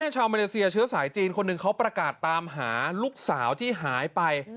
ชาวมาเลเซียเชื้อสายจีนคนหนึ่งเขาประกาศตามหาลูกสาวที่หายไป